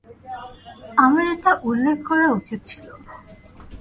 আমার এটা উল্লেখ করা উচিত ছিল।